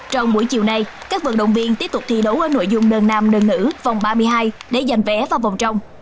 trong buổi chiều nay các vận động viên tiếp tục thi đấu ở nội dung đơn nam đơn nữ vòng ba mươi hai để giành vé vào vòng trong